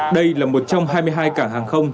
đây là một trong hai mươi hai cảng hàng không